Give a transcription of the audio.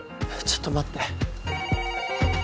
ちょっと待って。